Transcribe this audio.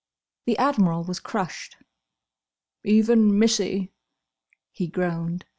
The Admiral was crushed. "Even Missie!" he groaned.